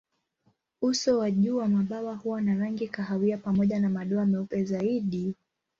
Uso wa juu wa mabawa huwa na rangi kahawia pamoja na madoa meupe zaidi.